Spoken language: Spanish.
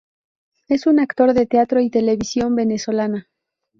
Es un actor de teatro y televisión venezolana.